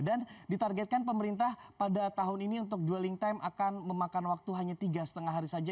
dan ditargetkan pemerintah pada tahun ini untuk dwelling time akan memakan waktu hanya tiga lima hari saja